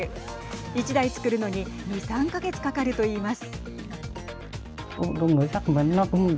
１台作るのに２、３か月かかると言います。